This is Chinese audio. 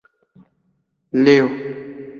并决定由卢日科夫继续担任该职务。